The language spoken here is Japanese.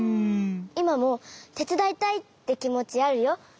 いまもてつだいたいってきもちあるよ。